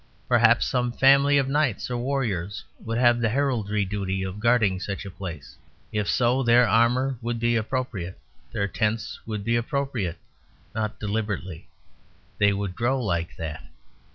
Perhaps some family of knights or warriors would have the hereditary duty of guarding such a place. If so their armour would be appropriate; their tents would be appropriate; not deliberately they would grow like that.